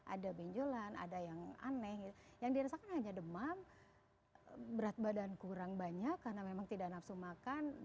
ada benjolan ada yang aneh yang dirasakan hanya demam berat badan kurang banyak karena memang tidak nafsu makan